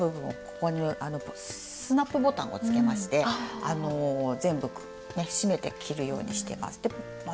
ここにスナップボタンをつけまして全部閉めて着るようにしてます。